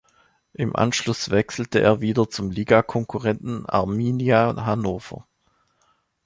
Im Anschluss wechselte er wieder zum Ligakonkurrenten Arminia Hannover.